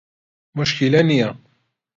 موشکیلە نیە.